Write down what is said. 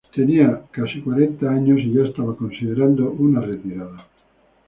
Tenía casi cuarenta años, y ya estaba considerando una retirada.